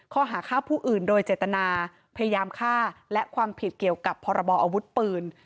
ข้อหาฆ่าผู้อื่นโดยเจตนาพยายามฆ่าและความผิดเกี่ยวกับพรบออาวุธปืน